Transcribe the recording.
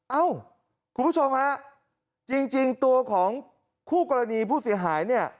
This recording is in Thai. เอ้าคุณผู้ชมฮะจริงตัวของคู่กรณีผู้เสียหายเนี่ย